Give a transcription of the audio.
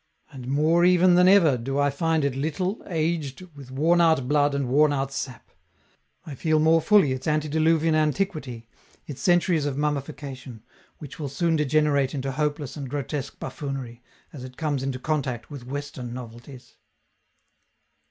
And more even than ever do I find it little, aged, with wornout blood and worn out sap; I feel more fully its antediluvian antiquity, its centuries of mummification, which will soon degenerate into hopeless and grotesque buffoonery, as it comes into contact with Western novelties.